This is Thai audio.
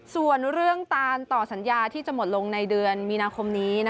ส่วนเรื่องการต่อสัญญาที่จะหมดลงในเดือนมีนาคมนี้